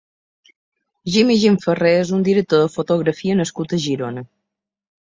Jimmy Gimferrer és un director de fotografia nascut a Girona.